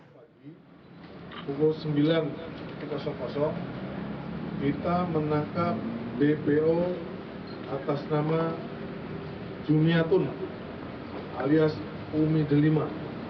pagi pukul sembilan kita menangkap bpo atas nama jumiatun alias umi delima